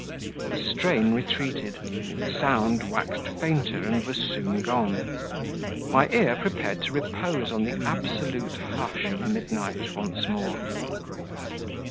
The strain retreated, its sound waxed fainter and was soon gone; my ear prepared to repose on the absolute hush of midnight once more.